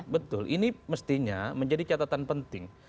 betul ini mestinya menjadi catatan penting